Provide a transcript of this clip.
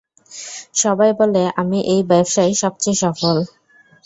সবাই বলে আমি এই ব্যবসায় সবচেয়ে সফল।